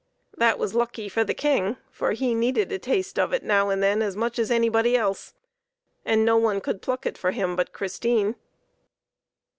That was lucky for the King, for he needed a taste of it now and then as much as anybody else, and no one could pluck it for him but Christine.